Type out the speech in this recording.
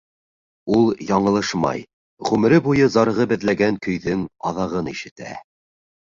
Ул яңылышмай, ғүмере буйы зарығып эҙләгән көйҙөң аҙағын ишетә.